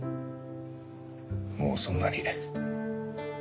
もうそんなに。